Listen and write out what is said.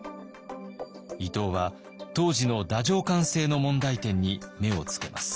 伊藤は当時の太政官制の問題点に目をつけます。